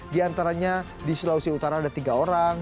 di antaranya di sulawesi utara ada tiga orang